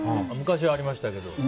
昔はありましたけど。